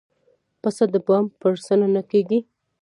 پسه د بام پر سر نه ګرځي.